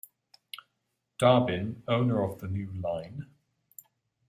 Durbin, owner of the new line.